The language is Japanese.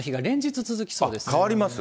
変わります？